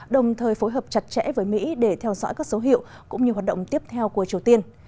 đồng thời phối hợp chặt chẽ với mỹ để theo dõi các dấu hiệu cũng như hoạt động tiếp theo của triều tiên